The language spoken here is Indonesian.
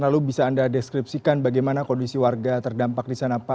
lalu bisa anda deskripsikan bagaimana kondisi warga terdampak di sana pak